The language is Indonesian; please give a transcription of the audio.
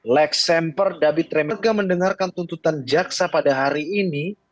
lex semper david remerga mendengarkan tuntutan jaksa pada hari ini